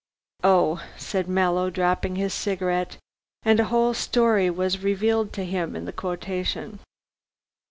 '" "Oh," said Mallow, dropping his cigarette, and a whole story was revealed to him in the quotation.